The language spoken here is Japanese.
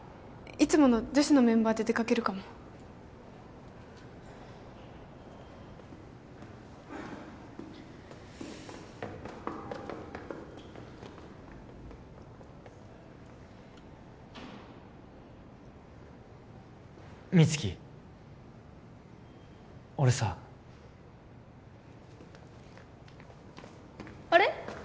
いつもの女子のメンバーで出かけるかも美月俺さあれ？